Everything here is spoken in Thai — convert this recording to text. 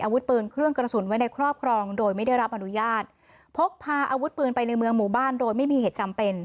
อาวุธปืนเครื่องกระสุนไว้ในครอบครองโดยไม่ได้รับอนุญาตพกพาอาวุธปืนไปในเมืองหมู่บ้านโดยไม่มีเหตุจำเป็น